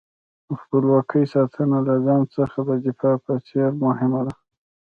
د خپلواکۍ ساتنه له ځان څخه د دفاع په څېر مهمه ده.